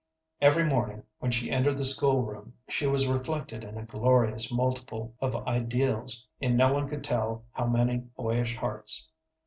Every morning when she entered the school room she was reflected in a glorious multiple of ideals in no one could tell how many boyish hearts.